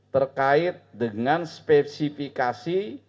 terkait dengan spesifikasi